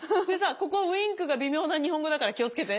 ここ「ウインク」が微妙な日本語だから気を付けて。